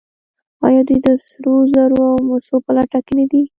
آیا دوی د سرو زرو او مسو په لټه نه دي؟